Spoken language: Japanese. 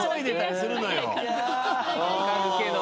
分かるけど。